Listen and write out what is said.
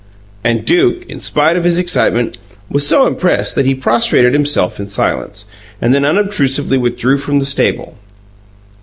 And Duke, in spite of his excitement, was so impressed that he prostrated himself in silence, and then unobtrusively withdrew from the stable.